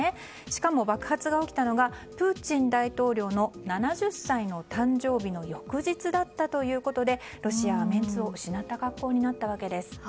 しかも爆発が起きたのがプーチン大統領の７０歳の誕生日の翌日だったということでロシアはメンツを失った格好になったわけです。